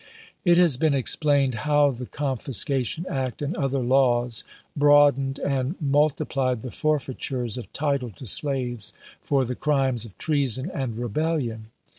It has been explained how the Con fiscation Act and other laws broadened and multi plied the forfeitures of title to slaves for the crimes of treason and rebellion.